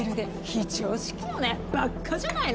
非常識よねバッカじゃないの！